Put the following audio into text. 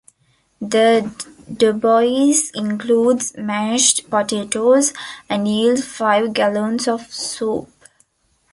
The Dubois includes mashed potatoes and yields five gallons of soup.